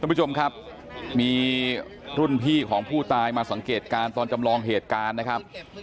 คุณผู้ชมครับมีรุ่นพี่ของผู้ตายมาสังเกตการณ์ตอนจำลองเหตุการณ์นะครับ